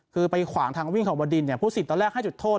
คือไปขวางทางวิ่งของบดินเนี่ยผู้สิทธิ์ตอนแรกให้จุดโทษ